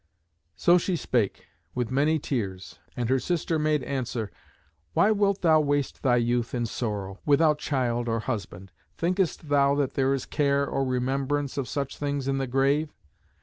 So she spake, with many tears. And her sister made answer, "Why wilt thou waste thy youth in sorrow, without child or husband? Thinkest thou that there is care or remembrance of such things in the grave?